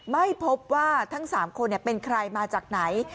ไม่พบว่าทั้ง๓คนเป็นใครมาจากไหน